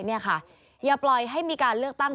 นี่ค่ะอย่าปล่อยให้มีการเลือกตั้ง